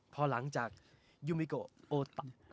พอหลังจากยูมิโกโอตัน